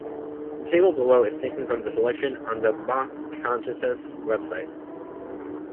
The table below is taken from the selection on the Bach-Cantatas website.